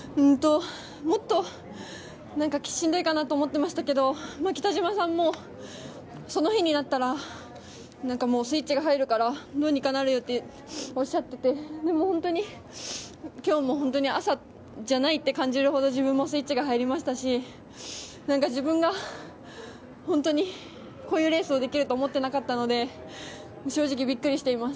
もっとしんどいかなって思ってましたけど北島さんも、その日になったらスイッチが入るからどうにかなるよっておっしゃっててでも、本当に今日も朝じゃないって感じるほど自分もスイッチが入りましたし何か自分が本当にこういうレースをできると思ってなかったので正直ビックリしています。